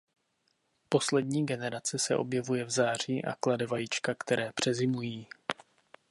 Poslední generace se objevuje v září a klade vajíčka které přezimují.